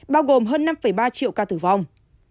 bao gồm hơn năm ba triệu ca tử vong